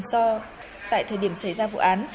do tại thời điểm xảy ra vụ án